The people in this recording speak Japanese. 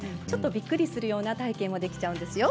びっくりするような体験もできちゃうんですよ。